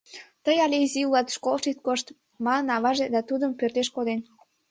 — Тый але изи улат, школыш ит кошт, — манын аваже да тудым пӧртеш коден.